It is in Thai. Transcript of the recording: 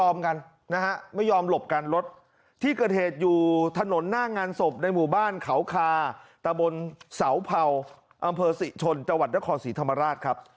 อำเภอศรีชนจังหวัดนครศรีธรรมาราช